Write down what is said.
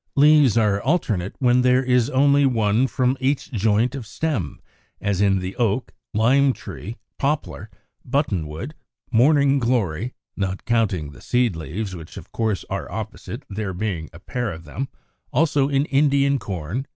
Leaves are alternate when there is only one from each joint of stem, as in the Oak, Lime tree, Poplar, Button wood (Fig. 74), Morning Glory (Fig. 45, not counting the seed leaves, which of course are opposite, there being a pair of them); also in Indian Corn (Fig.